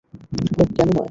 ওহ, কেন নয়?